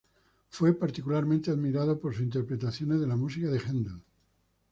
Fue particularmente admirado por sus interpretaciones de la música de Haendel.